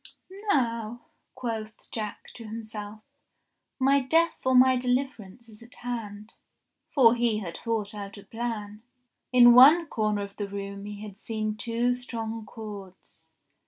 "Now," quoth Jack to himself, "my death or my de liverance is at hand." For he had thought out a plan. In one corner of the room he had seen two strong cords.